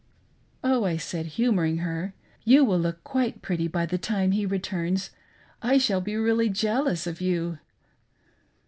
" Oh," I said, humoring her, " You will look quite pretty by the time he returns, I shall be really jealous of you."